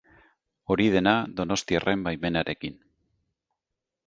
Hori dena, donostiarren baimenarekin.